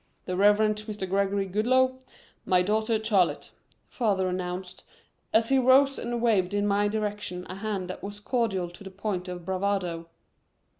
"The Reverend Mr. Gregory Goodloe my daughter Charlotte," father announced, as he rose and waved in my direction a hand that was cordial to the point of bravado.